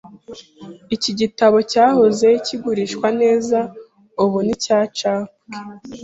Iki gitabo cyahoze kigurishwa neza, ubu nticyacapwe.